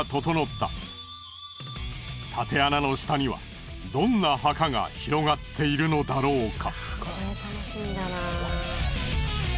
たて穴の下にはどんな墓が広がっているのだろうか？